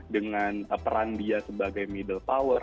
dengan peran dia sebagai middle power